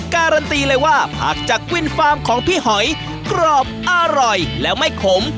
การันตีเลยว่าผักจากวินฟาร์มของพี่หอยกรอบอร่อยและไม่ขม